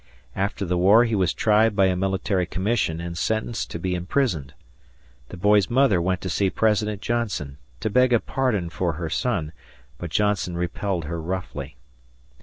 After the war he was tried by a military commission and sentenced to be imprisoned. The boy's mother went to see President Johnson, to beg a pardon for her son; but Johnson repelled her roughly.